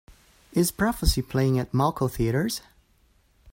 Is Prophecy playing at Malco Theatres